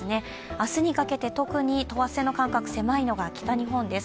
明日にかけて特に等圧線の間隔、短いのが北日本です。